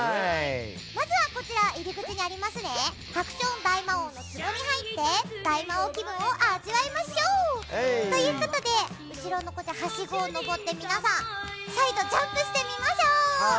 まずはこちら、入り口にあるハクション大魔王の壺に入って大魔王気分を味わいましょう！ということで後ろのはしごを上って、皆さん再度、ジャンプしてみましょう。